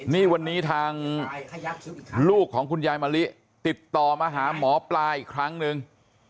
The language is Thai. นี่วันนี้ทางลูกของคุณยายมะลิติดต่อมาหาหมอปลาอีกครั้งนึง